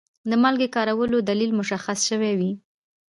د مالګې د کارولو دلیل مشخص شوی وي.